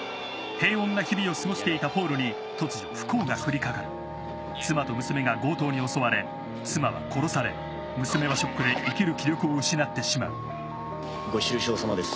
平穏な日々を過ごしていたポールに妻と娘が強盗に襲われ妻は殺され娘はショックで生きる気力を失ってしまうご愁傷さまです